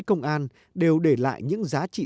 công an đều để lại những giá trị